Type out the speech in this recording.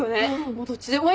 もうどっちでもいいもん。